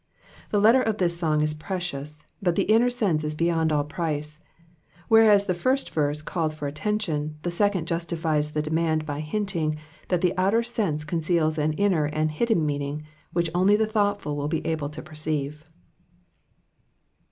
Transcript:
The letter of this song is precious* but the inner sense is beyond all price. Whereas the first verse called for attention, the second justifies the demand by hinting that the outer sense conceals an inner and hidden meaning, which only the thoughtful will be able to perceive.